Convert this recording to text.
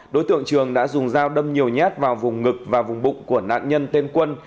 đối tượng trường đã dùng dao đâm nhiều nhát vào vùng ngực và vùng bụng của nạn nhân tên quân